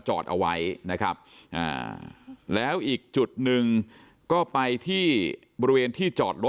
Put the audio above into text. จอดเอาไว้นะครับแล้วอีกจุดหนึ่งก็ไปที่บริเวณที่จอดรถ